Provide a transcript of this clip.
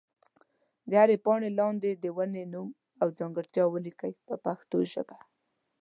د هرې پاڼې لاندې د ونې نوم او ځانګړتیا ولیکئ په پښتو ژبه.